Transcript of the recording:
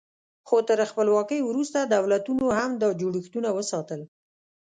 خو تر خپلواکۍ وروسته دولتونو هم دا جوړښتونه وساتل.